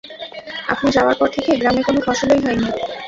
আপনি যাওয়ার পর থেকে গ্রামে কোনো ফসলই হয়নি।